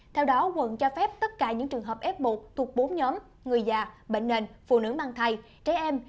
theo đó quận cho phép tất cả những trường hợp f một thuộc bốn nhóm người già bệnh nền phụ nữ mang thai trẻ em